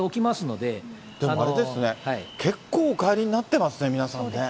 でもあれですね、結構、お帰りになってますね、皆さんね。